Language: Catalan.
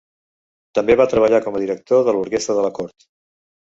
També va treballar com a director de l'orquestra de la cort.